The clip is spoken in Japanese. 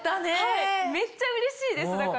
はいめっちゃうれしいです。